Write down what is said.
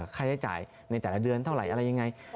ค่าใช้จ่ายในแต่ละเดือนเท่าไหร่อะไรยังไง